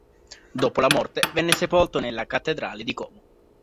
Dopo la morte venne sepolto nella cattedrale di Como.